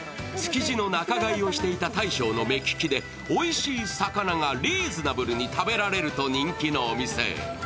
築地の仲買をしていた大将の目利きで、おいしい魚がリーズナブルに食べられると人気のお店。